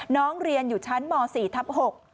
น้องเรียนอยู่ชั้นม๔ทับ๖